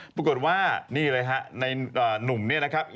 ปรากฏว่านี่เลยครับในนุ่มนี่นะครับ